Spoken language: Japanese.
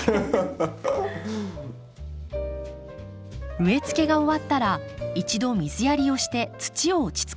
植え付けが終わったら一度水やりをして土を落ち着かせます。